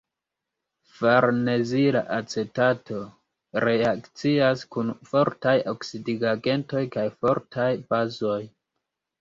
Farnezila acetato reakcias kun fortaj oksidigagentoj kaj fortaj bazoj.